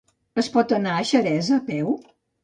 Es pot anar a Xeresa a peu?